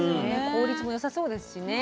効率も良さそうですしね。